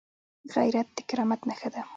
غیرت د کرامت نښه ده